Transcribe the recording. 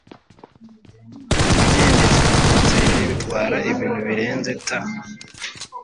ibigendeshwa na moteri bitwara ibintu birenze T